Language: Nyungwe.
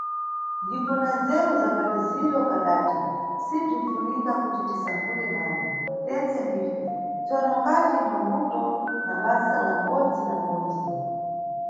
Ndipo na nzeru za mmaliziro kadati si bzinifunika kuti tisankhule mambo, tentse ndife, tsono mkati mwa mbuto na basa la mʼbodzi na mʼbodzi.